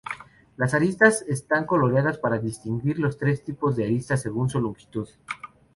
Las aristas están coloreadas para distinguir los tres tipos de arista según su longitud.